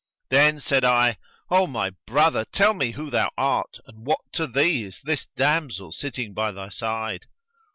Then said I, "O my brother, tell me who thou art and what to thee is this damsel sitting by thy side?"